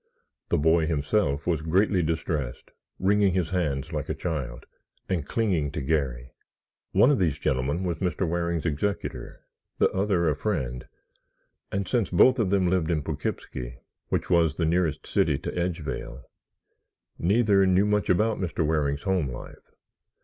The boy himself was greatly distressed, wringing his hands like a child, and clinging to Garry. One of these gentlemen was Mr. Waring's executor, the other a friend, and since both of them lived in Poughkeepsie, which was the nearest city to Edgevale, neither knew much about Mr. Waring's home life.